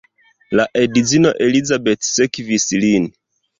La edzino Elizabeth sekvis lin.